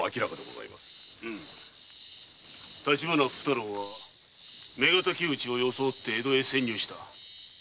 立花福太郎は妻敵討ちを装い江戸へ潜入した。